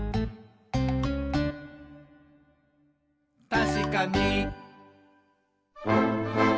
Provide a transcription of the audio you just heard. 「たしかに！」